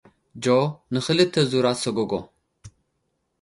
ጆ፡ ንኽልተ ዙራት ሰጒጒ።